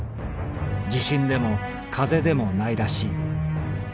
地震でも風でもないらしい。